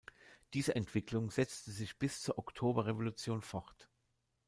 Diese Entwicklung setzte sich bis zur Oktoberrevolution fort.